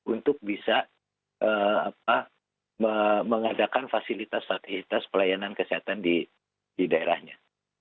untuk bisa mengadakan fasilitas fasilitas pelayanan kesehatan di daerahnya